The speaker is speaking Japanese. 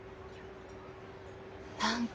何か。